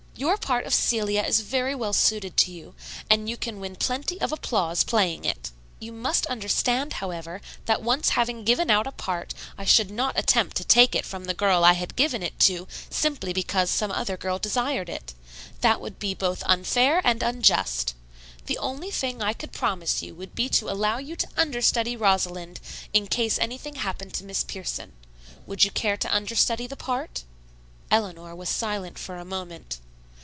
Your part of Celia is very well suited to you, and you can win plenty of applause playing it. You must understand, however, that once having given out a part, I should not attempt to take it from the girl I had given it to simply because some other girl desired it. That would be both unfair and unjust. The only thing I could promise you would be to allow you to understudy Rosalind in case anything happened to Miss Pierson. Would you care to understudy the part?" Eleanor was silent for a moment.